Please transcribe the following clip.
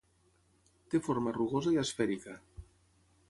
Té forma rugosa i esfèrica.